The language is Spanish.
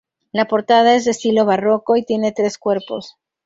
La portada es de estilo Barroco y tiene tres cuerpos.